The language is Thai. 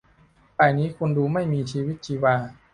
บ่ายนี้คุณดูไม่มีชีวิตชีวา